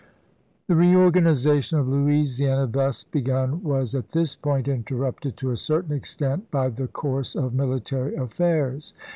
LOUISIANA FKEE 421 The reorganization of Louisiana thus begun was ch. xvn. at this point interrupted to a certain extent by the course of military affairs.